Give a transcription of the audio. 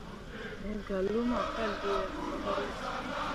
Me gah luma ka liah faɓalle.